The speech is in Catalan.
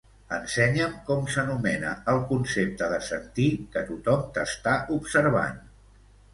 Ensenya'm com s'anomena el concepte de sentir que tothom t'està observant.